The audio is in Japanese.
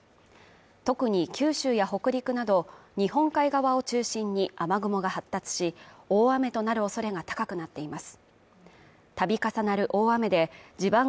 特に九州や北陸など日本海側を中心に雨雲が発達し、大雨となる恐れが高くなっています。